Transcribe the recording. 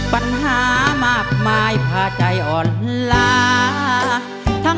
ปัญหามากมายผ่าใจอ่อนลา